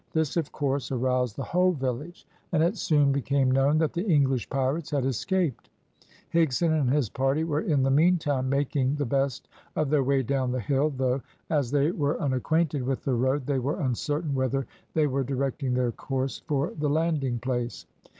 This of course aroused the whole village, and it soon became known that the English pirates had escaped. Higson and his party were in the meantime making the best of their way down the hill, though, as they were unacquainted with the road, they were uncertain whether they were directing their course for the landing place.